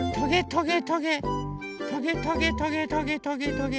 トゲトゲトゲトゲトゲトゲ！